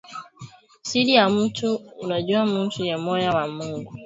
Siri ya mutu inajuwa mutu ye moya na Mungu